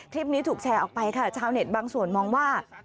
คลิปนี้ถูกแชร์ออกไปค่ะชาวเน็ตบางส่วนมองว่า